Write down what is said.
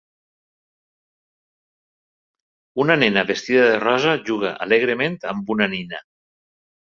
Una nena vestida de rosa juga alegrement amb una nina.